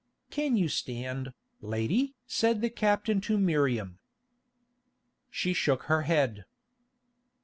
"Can you stand, lady?" said the captain to Miriam. She shook her head.